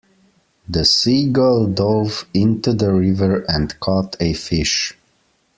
The seagull dove into the river and caught a fish.